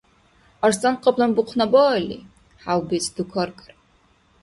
Арсланкъаплан бухънабаалли, хӀявбецӀ дукаркӀар.